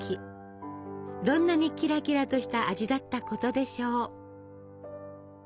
どんなにキラキラとした味だったことでしょう！